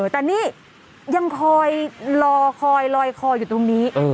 แต่นี่ยังคอยลอยคอยอยู่ตรงนี้